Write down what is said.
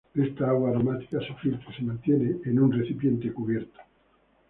Esta agua aromática se filtra y se mantiene en un recipiente cubierto.